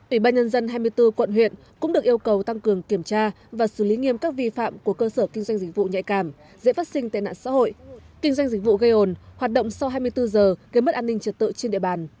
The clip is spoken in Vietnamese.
ủy ban nhân dân hai mươi bốn quận huyện cũng được yêu cầu tăng cường kiểm tra và xử lý nghiêm các vi phạm của cơ sở kinh doanh dịch vụ nhạy cảm dễ phát sinh tệ nạn xã hội kinh doanh dịch vụ gây ồn hoạt động sau hai mươi bốn giờ gây mất an ninh trật tự trên địa bàn